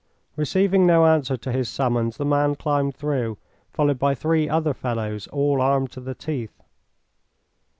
Receiving no answer to his summons, the man climbed through, followed by three other fellows, all armed to the teeth.